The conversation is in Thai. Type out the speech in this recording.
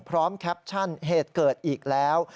แคปชั่นเหตุเกิดอีกแล้ว